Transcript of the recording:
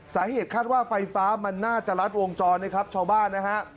สาเหตุคาดว่าไฟฟ้ามันน่าจะรัดวงจรนะครับชาวบ้านนะฮะ